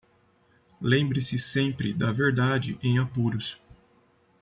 Lembre-se sempre da verdade em apuros